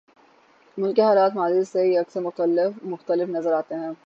ملک کے حالات ماضی سے یکسر مختلف نظر آتے ہیں۔